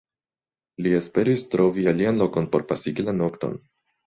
Li esperis trovi alian lokon por pasigi la nokton.